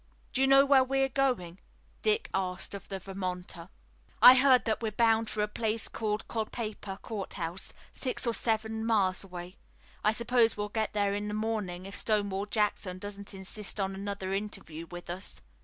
"Do you know where we are going?" Dick asked of the Vermonter. "I heard that we're bound for a place called Culpeper Court House, six or seven miles away. I suppose we'll get there in the morning, if Stonewall Jackson doesn't insist on another interview with us."